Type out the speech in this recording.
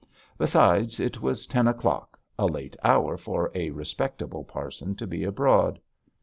Besides, it was ten o'clock a late hour for a respectable parson to be abroad.